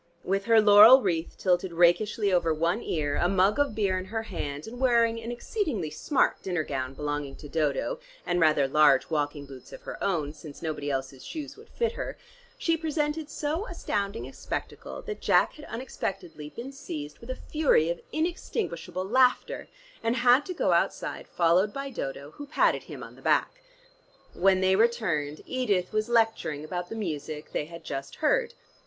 With her laurel wreath tilted rakishly over one ear, a mug of beer in her hand, and wearing an exceedingly smart dinner gown belonging to Dodo, and rather large walking boots of her own, since nobody else's shoes would fit her, she presented so astounding a spectacle, that Jack had unexpectedly been seized with a fury of inextinguishable laughter, and had to go outside followed by Dodo who patted him on the back. When they returned, Edith was lecturing about the music they had just heard.